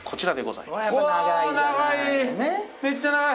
めっちゃ長い！